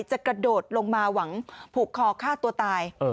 จะกระโดดลงมาหวังผูกคอฆ่าตัวตาย